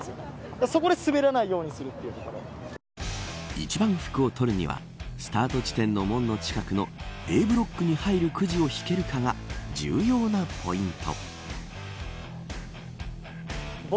一番福をとるにはスタート地点の門の近くのＡブロックに入るくじを引けるかが重要なポイント。